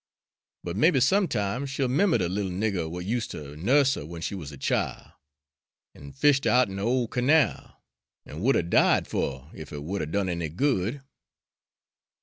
But maybe some time she'll 'member de little nigger w'at use' ter nuss her w'en she woz a chile, an' fished her out'n de ole canal, an' would 'a' died fer her ef it would 'a' done any good."